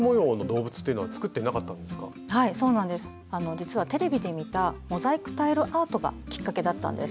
実はテレビで見たモザイクタイルアートがきっかけだったんです。